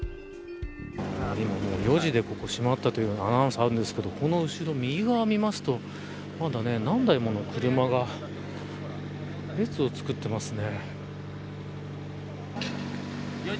４時でここが閉まったというアナウンスがあるんですけどこの後ろ、右側を見ますとまだ何台もの車が列をつくってますね。